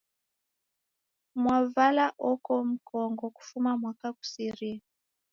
Mwavala oka mkongo kufuma mwaka ghusirie